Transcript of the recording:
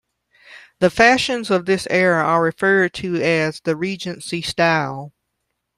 The fashions of this era are referred to as the Regency style.